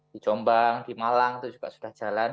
di jombang di malang itu juga sudah jalan